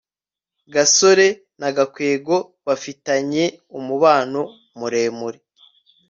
gasore na gakwego bafitanye umubano muremure